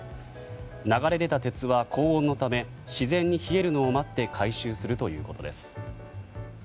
流れ出た鉄は高温のため自然に冷えるのを待って回収するということです。